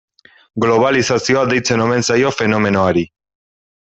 Globalizazioa deitzen omen zaio fenomenoari.